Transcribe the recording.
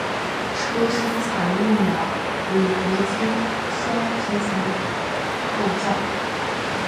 车身采用了铝合金双皮层构造。